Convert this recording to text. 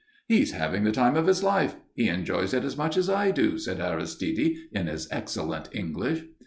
"He's having the time of his life. He enjoys it as much as I do," said Aristide, in his excellent English.